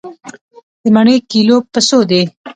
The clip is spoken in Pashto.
د مڼې کيلو په څو دی؟